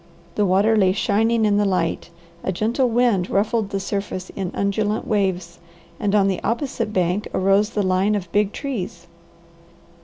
The water lay shining in the light, a gentle wind ruffled the surface in undulant waves, and on the opposite bank arose the line of big trees.